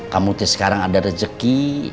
kamu sekarang ada rejeki